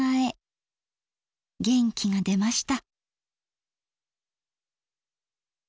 元気が出ました。